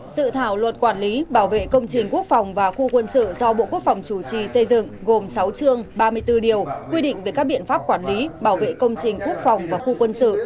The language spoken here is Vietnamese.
sự thảo luật quản lý bảo vệ công trình quốc phòng và khu quân sự do bộ quốc phòng chủ trì xây dựng gồm sáu chương ba mươi bốn điều quy định về các biện pháp quản lý bảo vệ công trình quốc phòng và khu quân sự